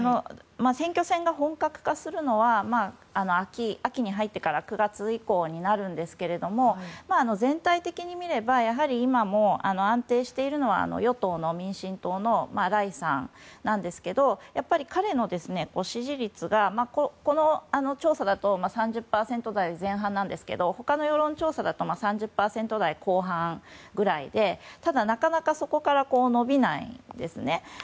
選挙戦が本格化するのは秋に入ってから９月以降になるんですけど全体的に見れば今も安定しているのは与党・民進党のライさんなんですけど彼の支持率が、この調査だと３０％台前半なんですけど他の世論調査だと３０％台後半ぐらいでただ、なかなかそこから伸びないんですね。